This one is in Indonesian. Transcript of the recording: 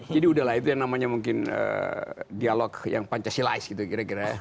jadi udahlah itu yang namanya mungkin dialog yang pancasilais gitu kira kira